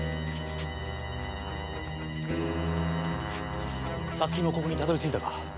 皐月もここにたどり着いたか。